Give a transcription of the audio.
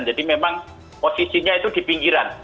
jadi memang posisinya itu di pinggiran